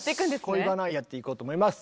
「恋バナ」やっていこうと思います。